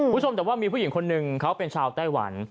คุณผู้ชมแต่ว่ามีผู้หญิงคนหนึ่งเขาเป็นชาวไต้หวัน